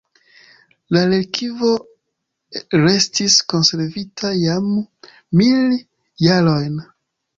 La relikvo restis konservita jam mil jarojn.